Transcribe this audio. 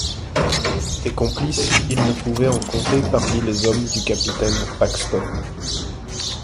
Des complices, ils ne pouvaient en compter parmi les hommes du capitaine Paxton !…